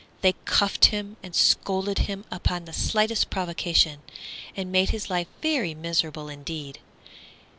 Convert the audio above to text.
They cuffed him and scolded him upon the slightest provocation, and made his life very miserable indeed.